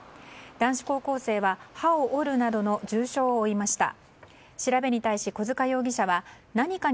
男子高校生は歯を折るなどの重傷を負いました。